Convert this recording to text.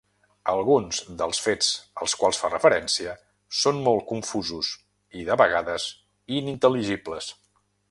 Alguns dels fets als quals fa referència són molt confusos i de vegades inintel·ligibles.